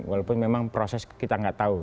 walaupun memang proses kita nggak tahu